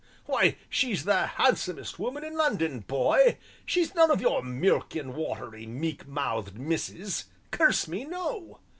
"Why, she's the handsomest woman in London, boy. She's none of your milk and watery, meek mouthed misses curse me, no!